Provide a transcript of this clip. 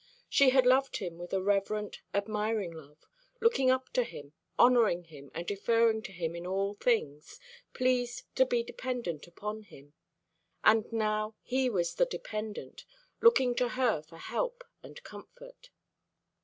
She had loved him with a reverent, admiring love, looking up to him, honouring him and deferring to him in all things, pleased to be dependent upon him: and now he was the dependent, looking to her for help and comfort.